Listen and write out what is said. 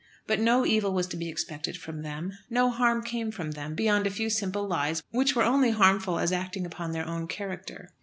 But no evil was to be expected from them, no harm came from them beyond a few simple lies, which were only harmful as acting upon their own character.